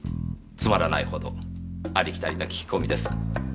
つまらないほどありきたりな聞き込みです。